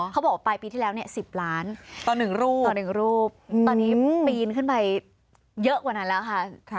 เขาบอกว่าปลายปีที่แล้ว๑๐ล้านต่อ๑รูปต่อ๑รูปตอนนี้ปีนขึ้นไปเยอะกว่านั้นแล้วค่ะ